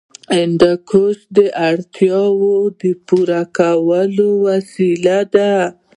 هندوکش د اړتیاوو د پوره کولو وسیله ده.